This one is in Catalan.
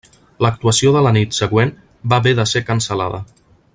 L'actuació de la nit següent va haver de ser cancel·lada.